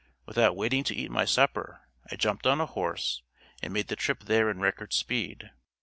Without waiting to eat my supper I jumped on a horse and made the trip there in record speed.